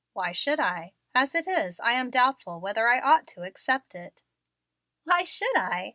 "Why should I? As it is, I am doubtful whether I ought to accept it." "Why should I?"